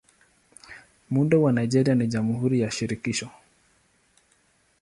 Muundo wa Nigeria ni Jamhuri ya Shirikisho.